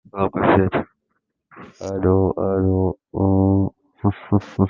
Le retable n'a été attribué que récemment à l'atelier de Hans Schnatterpeck.